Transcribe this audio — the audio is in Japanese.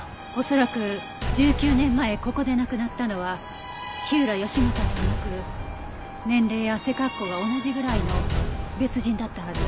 恐らく１９年前ここで亡くなったのは火浦義正ではなく年齢や背格好が同じぐらいの別人だったはず。